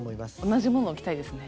同じ物を着たいですね。